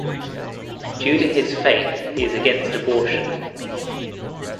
Due to his faith he is against abortion.